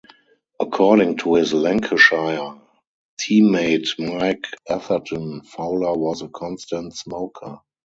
According to his Lancashire teammate Mike Atherton, Fowler was a constant smoker.